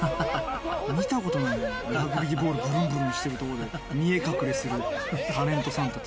見たことないラグビーボールブルンブルンしてるところ見え隠れするタレントさんたち。